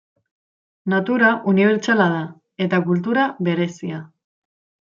Natura unibertsala da eta kultura berezia.